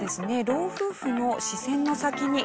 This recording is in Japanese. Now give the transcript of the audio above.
老夫婦の視線の先に。